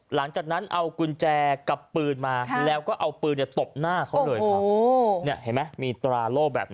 หลังจากนั้นเอากุญแจกับปืนมาแล้วก็เอาปืนตบหน้าเขาเลยครับ